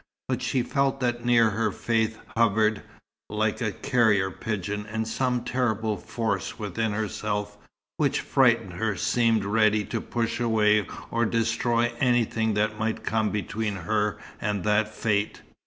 But she felt that near her fate hovered, like the carrier pigeon; and some terrible force within herself, which frightened her, seemed ready to push away or destroy anything that might come between her and that fate.